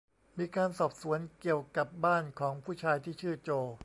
มีการสอบสวนเกี่ยวกับบ้านของผู้ชายที่ชื่อโจ